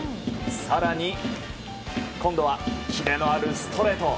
更に今度はキレのあるストレート。